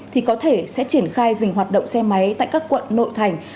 thì có thể sẽ triển khai dừng hoạt động xe máy tại các quận nội thành